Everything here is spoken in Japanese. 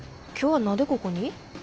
今日は何でここに？